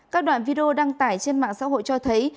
các đoạn video đăng tải trên mạng xã hội cho thấy